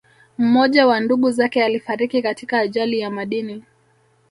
Mmoja wa ndugu zake alifariki katika ajali ya madini